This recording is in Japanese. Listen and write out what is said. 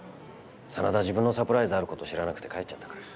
真田自分のサプライズある事知らなくて帰っちゃったから。